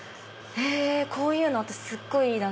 こういうのってすっごい。